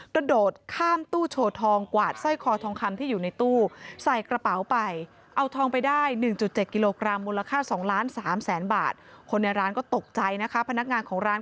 ก็โดดข้ามตู้โชว์ทอง